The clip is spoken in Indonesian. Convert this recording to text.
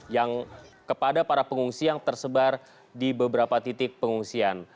yang kepada para pengungsi yang tersebar di beberapa titik pengungsian